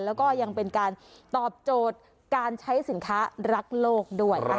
แล้วก็ยังเป็นการตอบโจทย์การใช้สินค้ารักโลกด้วยนะคะ